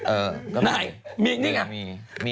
เออได้มีอันนี้อ่ะ